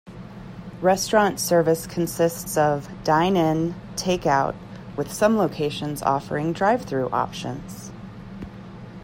Restaurant service consists of: dine-in, take-out, with some locations offering drive through options.